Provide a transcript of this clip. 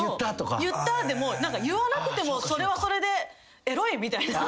言ったでも言わなくてもそれはそれでエロいみたいな。